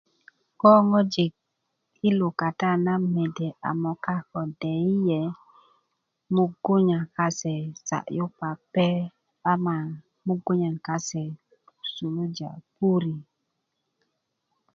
ko ŋojik i lukata na mede a moka ko deyiye mogunya kasi sa'yu pape ama mogu'ya kase suluja puri